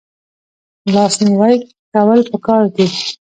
لاس نیوی کول پکار دي